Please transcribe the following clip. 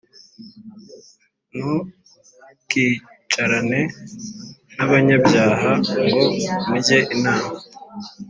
ntukicarane n’abanyabyaha ngo mujye inama